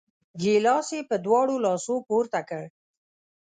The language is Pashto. ګیلاس یې په دواړو لاسو پورته کړ!